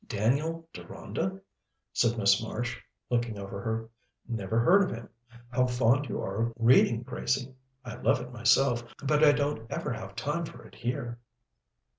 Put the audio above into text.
"'Daniel Deronda'?" said Miss Marsh, looking over her. "Never heard of him. How fond you are of reading, Gracie! I love it myself, but I don't ever have time for it here."